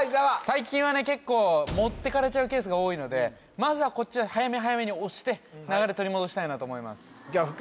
最近はね結構持っていかれちゃうケースが多いのでまずはこっち早め早めに押して流れ取り戻したいなと思います